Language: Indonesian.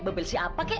bebersih apa kek